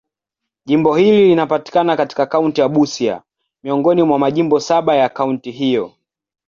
Jimbo hili linapatikana katika kaunti ya Busia, miongoni mwa majimbo saba ya kaunti hiyo.